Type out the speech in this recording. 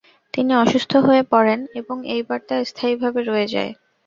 তিনি অসুস্থ হয়ে পড়েন এবং এইবার তা স্থায়ীভাবে রয়ে যায়।